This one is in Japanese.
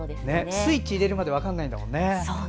スイッチ入れるまで分からないもんね。